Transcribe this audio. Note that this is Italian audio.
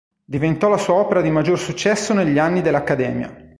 Diventò la sua opera di maggior successo negli anni dell'Accademia.